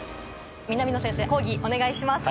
南野先生、講義お願いします。